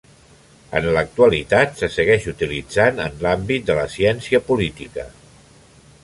En l'actualitat se segueix utilitzant en l'àmbit de la ciència política.